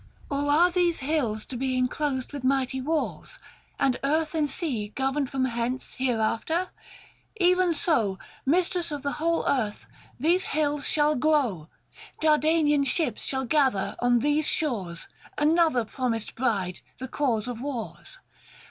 or are these hills to be Enclosed with mighty walls ; and earth and sea Governed from hence hereafter ? Even so, 545 Mistress of the whole earth, these hills shall grow ; Dardanian ships shall gather on these shores, Another promised bride the cause of wars.